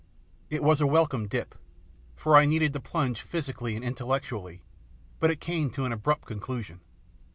It was a welcome dip, for I needed the plunge physically and intellectually, but it came to an abrupt conclusion.